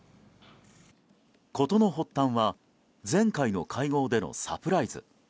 事の発端は前回の会合でのサプライズ。